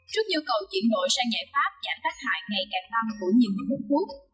trước nhu cầu chuyển đổi sang giải pháp giảm tác hại ngày càng tăng của những quốc quốc